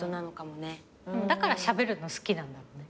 だからしゃべるの好きなんだろうね。